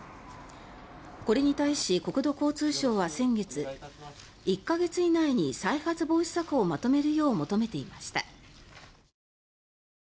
これに対し、国土交通省は先月１か月以内に再発防止策をまとめるよう求めていました。